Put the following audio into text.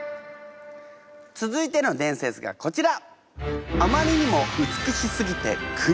続いての伝説がこちら！